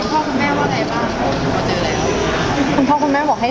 คุณพ่อคุณแม่ว่าไงบ้างคุณพ่อเจออะไรอย่างนี้